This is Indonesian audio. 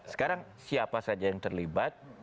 sekarang siapa saja yang terlibat